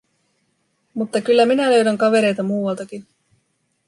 Mutta kyllä minä löydän kavereita muualtakin.